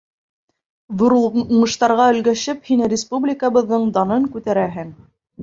— Ҙур уңыштарға өлгәшеп, һин республикабыҙҙың данын күтәрәһең.